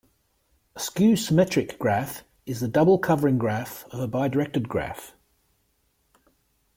A skew-symmetric graph is the double covering graph of a bidirected graph.